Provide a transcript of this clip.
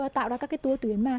tạo ra các tour tuyến